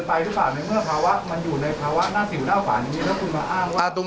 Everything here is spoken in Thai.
แล้วคุณต้องการจะหลอกกันไหมถ้าต้องการในเมื่อคุณไม่มีของ